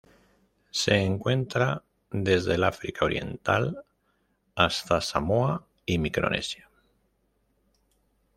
Se encuentra desde el África Oriental hasta Samoa y Micronesia.